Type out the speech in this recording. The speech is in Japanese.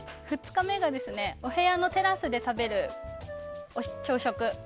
２日目がお部屋のテラスで食べる朝食。